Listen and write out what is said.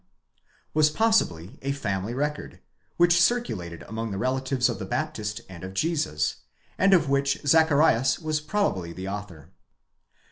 39) was possibly a family record, which circulated among the relatives of the Baptist and of Jesus; and of which Zacharias was probably the author.!